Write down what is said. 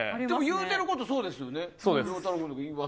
言うてることはそうですもんね。